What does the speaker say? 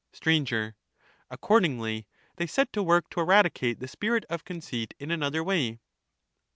Str. Accordingly, they set to work to eradicate the spirit of conceit in another way.